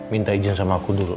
minta izin sama aku dulu